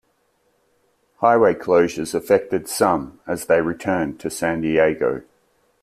Highway closures affected some as they returned to San Diego.